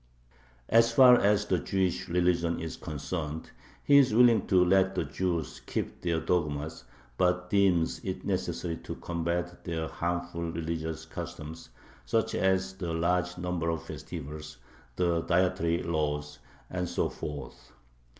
As far as the Jewish religion is concerned, he is willing to let the Jews keep their dogmas, but deems it necessary to combat their "harmful religious customs," such as the large number of festivals, the dietary laws, and so forth.